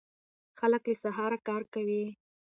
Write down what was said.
خلک له سهاره کار کوي.